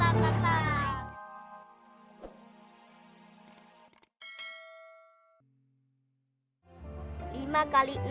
ah peran kanan